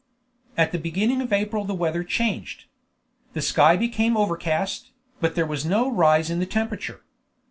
At the beginning of April the weather changed. The sky became overcast, but there was no rise in the temperature.